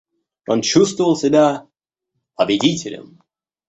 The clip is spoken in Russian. Он чувствовал себя победителем.